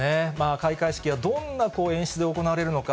開会式はどんな演出で行われるのか。